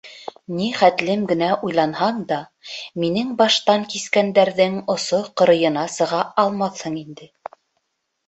Ни хәтлем генә уйланһаң да, минең баштан кискәндәрҙең осо-ҡырыйына сыға алмаҫһың инде.